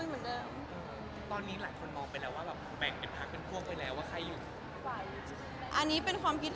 มาให้ถ่ายสวยด้วยสิ